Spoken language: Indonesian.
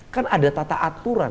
kan ada tata aturan